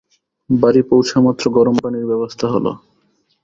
বাড়ি পৌঁছামাত্র গরম পানির ব্যবস্থা হল।